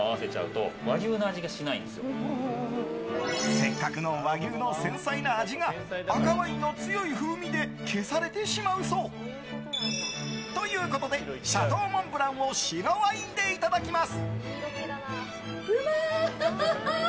せっかくの和牛の繊細な味が赤ワインの強い風味で消されてしまうそう。ということでシャトーモンブランを白ワインでいただきます。